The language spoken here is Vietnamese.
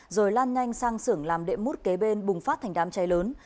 rồi lan nhanh sang sưởng làm đệm mút kế bên bùng phát thành đám cháy lớn